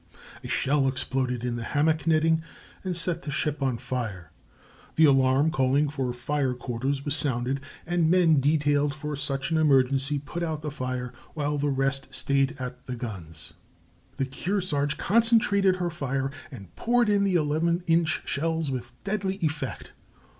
A shell exploded in the hammock netting and set the ship on fire; the alarm calling for fire quarters was sounded, and men detailed for such an emergency put out the fire, while the rest stayed at the guns. The Kearsarge concentrated her fire and poured in the eleven inch shells with deadly effect.